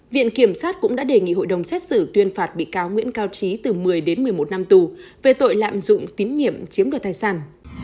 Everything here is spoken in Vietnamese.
viện kiểm sát cũng đã đề nghị hội đồng xét xử tuyên phạt bị cáo nguyễn cao trí từ một mươi đến một mươi một năm tù về tội lạm dụng tín nhiệm chiếm đoạt tài sản